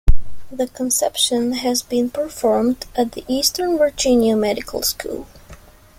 The conception had been performed at the Eastern Virginia Medical School.